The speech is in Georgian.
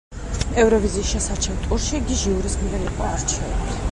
ევროვიზიის შესარჩევ ტურში იგი ჟიურის მიერ იყო არჩეული.